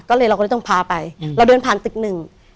ก็เลยเราก็เลยต้องพาไปเราเดินผ่านตึกหนึ่ง